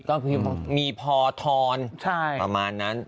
ก็คือมีพอทอนประมาณนั้น